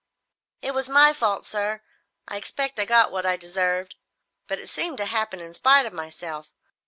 "It was my fault, sir. I expect I got what I deserved, but it seemed to happen in spite of myself.